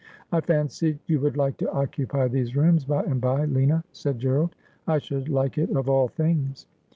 ' I fancied you would like to occupy these rooms by and by, Lina,' said Gerald. ' I should like it of all things.'